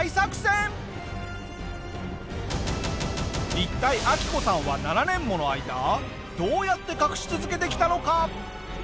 一体アキコさんは７年もの間どうやって隠し続けてきたのか？